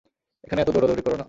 এখানে এত দৌড়াদৌড়ি করো না!